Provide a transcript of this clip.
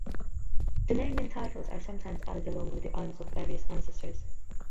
The name and titles are sometimes added along with the arms of various ancestors.